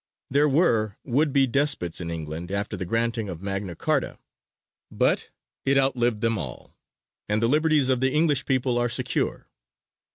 There were would be despots in England after the granting of Magna Charta; but it outlived them all, and the liberties of the English people are secure.